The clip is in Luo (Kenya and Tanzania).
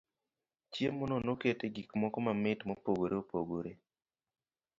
Chiemo no noket e gik moko mamit mopogore opogore.